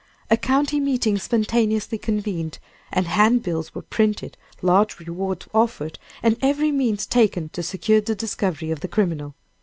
A county meeting spontaneously convened, and handbills were printed, large rewards offered, and every means taken to secure the discovery of the criminal.